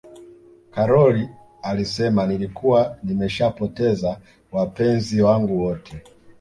karol alisema nilikuwa nimeshapoteza wapenzi wangu wote